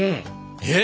えっ？